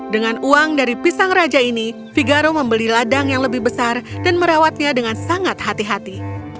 dengan uang dari pisang raja ini figaro membeli ladang yang lebih besar dan merawatnya dengan sangat hati hati